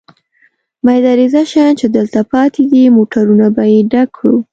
مېده رېزه شیان چې دلته پاتې دي، موټرونه به په ډک کړو.